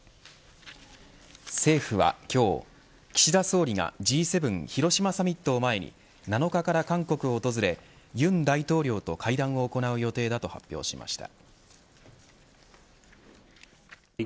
政府は今日岸田総理がＧ７広島サミットを前に７日から韓国を訪れ尹大統領と会談を行う予定だと発表しました。